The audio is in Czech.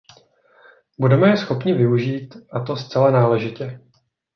Budeme je schopni využít, a to zcela náležitě.